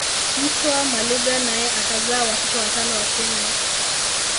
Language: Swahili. Mtwa Maliga naye akazaa watoto watano wa kiume